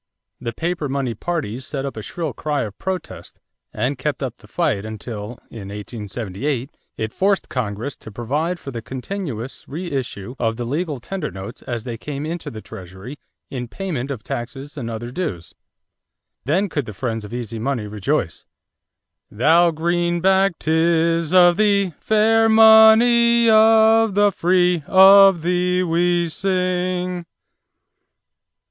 The paper money party set up a shrill cry of protest, and kept up the fight until, in 1878, it forced Congress to provide for the continuous re issue of the legal tender notes as they came into the Treasury in payment of taxes and other dues. Then could the friends of easy money rejoice: "Thou, Greenback, 'tis of thee Fair money of the free, Of thee we sing."